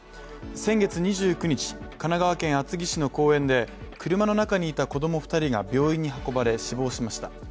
先月２９日、神奈川県厚木市の公園で車の中にいた子供２人が病院に運ばれ、死亡しました。